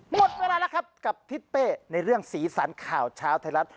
หมดเวลาแล้วครับกับทิศเป้ในเรื่องสีสันข่าวเช้าไทยรัฐ